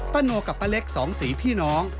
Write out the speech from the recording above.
โนกับป้าเล็กสองสีพี่น้อง